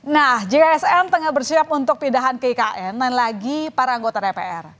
nah jika sn tengah bersiap untuk pindahan ke ikn dan lagi para anggota dpr